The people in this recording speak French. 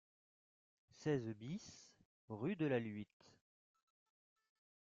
seize BIS rue de la Luitte